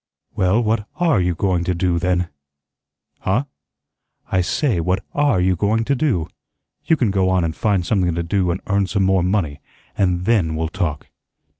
"Well, what ARE you going to do, then?" "Huh?" "I say, what ARE you going to do? You can go on and find something to do and earn some more money, and THEN we'll talk."